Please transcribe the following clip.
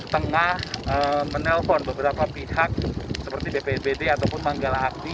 tengah menelpon beberapa pihak seperti bppd ataupun manggala api